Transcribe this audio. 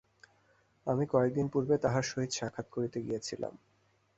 আমি কয়েক দিন পূর্বে তাঁহার সহিত সাক্ষাৎ করিতে গিয়াছিলাম।